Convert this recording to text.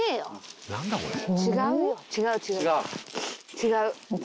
違う違う違う。